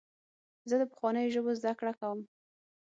زه د پخوانیو ژبو زدهکړه کوم.